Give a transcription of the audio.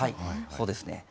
そうですね。